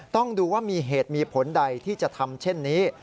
ต้องดูว่ามีเหตุมีผลใดที่จะทำเช่นนี้